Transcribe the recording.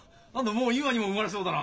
もう今にも生まれそうだな。